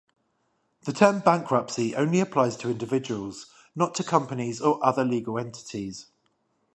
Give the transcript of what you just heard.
The term bankruptcy applies only to individuals, not to companies or other legal entities.